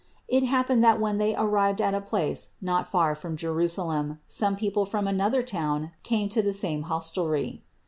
It happened that when they arrived at a place not far from Jerusalem some people from another town came to the same hostelry.